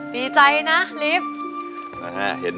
ดีใจนะลิฟต์